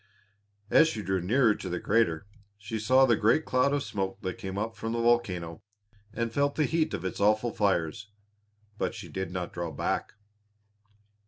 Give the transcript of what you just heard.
As she drew nearer to the crater she saw the great cloud of smoke that came up from the volcano and felt the heat of its awful fires. But she did not draw back.